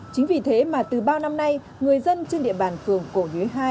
chính vì thế mà từ bao năm nay người dân trên địa bàn phường cổ nhuế hai